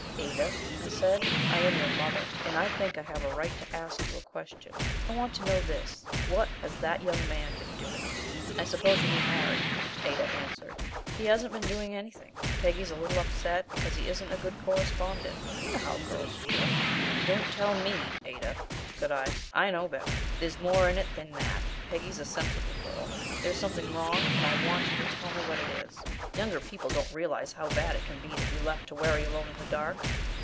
"Ada," I said, "I am your mother, and I think I have a right to ask you a question. I want to know this: what has that young man been doing?" "I suppose you mean Harry," Ada answered. "He hasn't been doing anything. Peggy's a little upset because he isn't a good correspondent. You know how girls feel " "Don't tell ME, Ada," said I. "I know better. There's more in it than that. Peggy's a sensible girl. There's something wrong, and I want you to tell me what it is." Younger people don't realize how bad it can be to be left to worry alone in the dark.